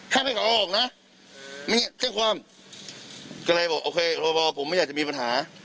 ถ้าไม่ให้มาเอาออกนะแจ้งความก็เลยบอกโอเครอผมไม่อยากจะมีปัญหา